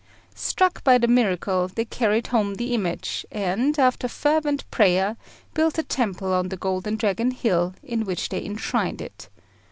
Struck by the miracle, they carried home the image, and, after fervent prayer, built a temple on the Golden Dragon Hill, in which they enshrined it.